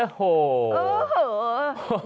โอ้โหเออเหอะ